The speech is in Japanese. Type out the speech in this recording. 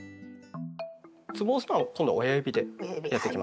つぼを押すのは今度は親指でやっていきます。